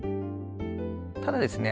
ただですね